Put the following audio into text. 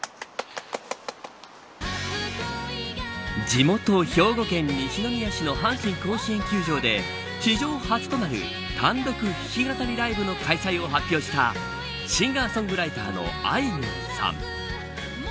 地元、兵庫県西宮市の阪神甲子園球場で史上初となる単独弾き語りライブの開催を発表したシンガー・ソングライターのあいみょんさん。